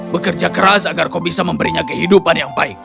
bekerja keras agar kau bisa memberinya kehidupan yang baik